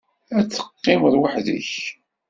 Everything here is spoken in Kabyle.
Ad teqqimeḍ weḥd-k.